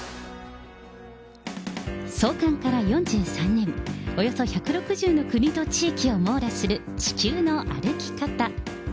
創刊から４３年、およそ１６０の国と地域を網羅する地球の歩き方。